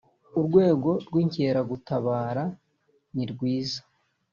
urwego rw inkeragutabara nirwiza